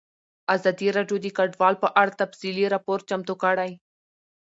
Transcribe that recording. ازادي راډیو د کډوال په اړه تفصیلي راپور چمتو کړی.